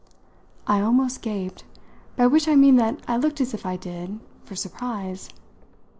I almost gaped by which I mean that I looked as if I did for surprise.